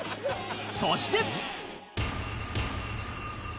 そして